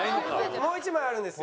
もう一枚あるんですよ。